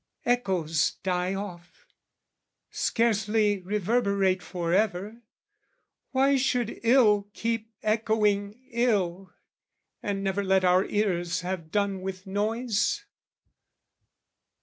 Echoes die off, scarcely reverberate For ever, why should ill keep echoing ill, And never let our ears have done with noise?